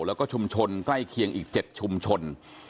แล้วก็ชุมชนใกล้เคียงอีก๗ชุมชน